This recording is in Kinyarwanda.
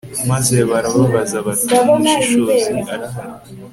maze barababaza bati umushishozi arahari